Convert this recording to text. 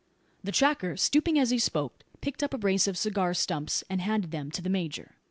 The tracker, stooping as he spoke, picked up a brace of cigar stumps, and handed them to the major.